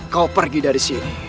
kau pergi dari sini